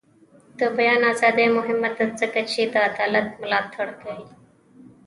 د بیان ازادي مهمه ده ځکه چې د عدالت ملاتړ کوي.